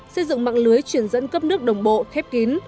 xây dựng mạng lưới chuyển dẫn cấp nước đồng bộ khép kín